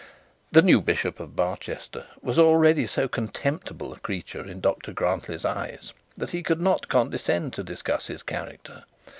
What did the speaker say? The new bishop of Barchester was already so contemptible a creature in Dr Grantly's eyes, that he could not condescend to discuss his character.